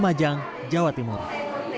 mencapai empat puluh milimeter